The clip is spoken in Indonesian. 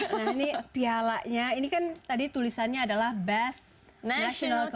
nah ini pialanya ini kan tadi tulisannya adalah best national com